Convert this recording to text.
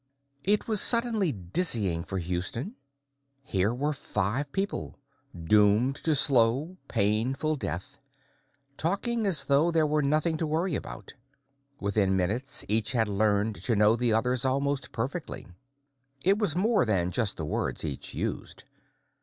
It was suddenly dizzying for Houston. Here were five people, doomed to slow, painful death, talking as though there were nothing to worry about. Within minutes, each had learned to know the others almost perfectly. It was more than just the words each used.